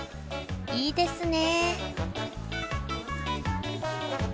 いいですね。